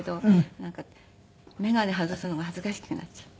なんか眼鏡外すのが恥ずかしくなっちゃった。